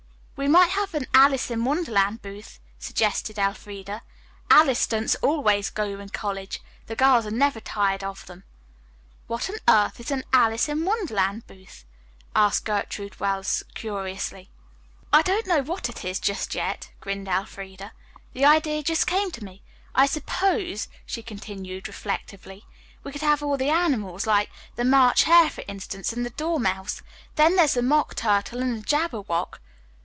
"We might have an 'Alice in Wonderland' booth," suggested Elfreda. "'Alice' stunts always go in colleges. The girls are never tired of them." "What on earth is an 'Alice in Wonderland booth'?" asked Gertrude Wells curiously. "I don't know what it is yet," grinned Elfreda. "The idea just came to me. I suppose," she continued reflectively, "we could have all the animals, like the March Hare, for instance, and the Dormouse. Then there's the Mock Turtle and the Jabberwock.